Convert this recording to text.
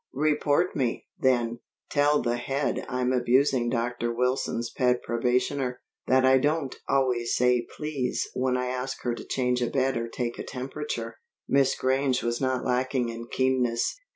"Report me, then. Tell the Head I'm abusing Dr. Wilson's pet probationer, that I don't always say 'please' when I ask her to change a bed or take a temperature." Miss Grange was not lacking in keenness.